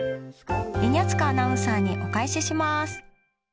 稲塚アナウンサーにお返しします。